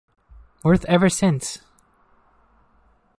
Worth ever since.